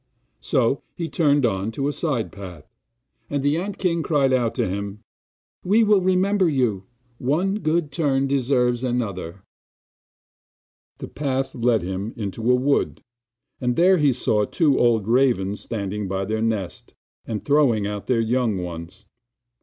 So he turned on to a side path and the ant king cried out to him: 'We will remember you one good turn deserves another!' The path led him into a wood, and there he saw two old ravens standing by their nest, and throwing out their young ones.